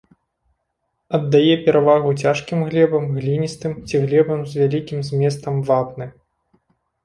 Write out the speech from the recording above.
Аддае перавагу цяжкім глебам, гліністым ці глебам з вялікім зместам вапны.